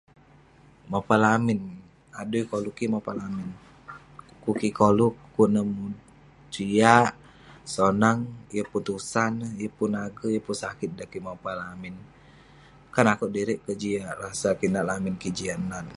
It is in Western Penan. Mopa lamin, adui koluk kik mopa lamin. Kuk kik koluk, kuk neh jiak, sonang, yeng pun tusah neh, yeng pun ager, yeng pun sakit dan kik mopa lamin. Kan akouk sedirik kek jiak rasa kik dan akouk nat lamin kik jiak nat.